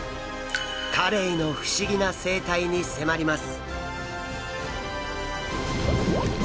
カレイの不思議な生態に迫ります！